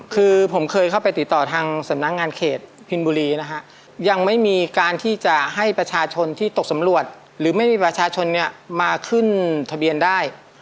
คือผมเคยเข้าไปติดต่อทางสำนักงานเขตพินบุรีนะฮะยังไม่มีการที่จะให้ประชาชนที่ตกสำรวจหรือไม่มีประชาชนเนี่ยมาขึ้นทะเบียนได้